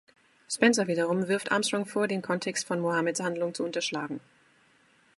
Spencer wiederum wirft Armstrong vor, den Kontext von Mohammeds Handlungen zu unterschlagen.